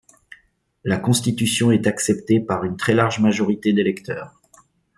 La Constitution est acceptée par une très large majorité d'électeurs.